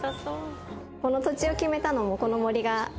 この土地を決めたのも。